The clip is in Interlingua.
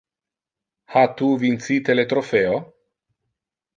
Ha tu vincite le tropheo?